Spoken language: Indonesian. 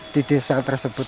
di desa tersebut